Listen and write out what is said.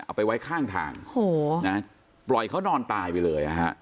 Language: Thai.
เอาไปไว้ข้างทางปล่อยเขานอนตายไปเลยนะฮะ